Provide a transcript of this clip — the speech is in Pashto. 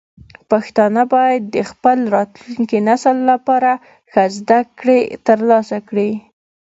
پښتانه باید د خپل راتلونکي نسل لپاره ښه زده کړې ترلاسه کړي.